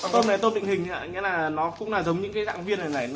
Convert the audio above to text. tôm này tôm định hình nghĩa là nó cũng giống như những dạng viên này